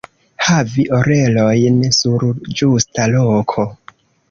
Havi orelojn sur ĝusta loko.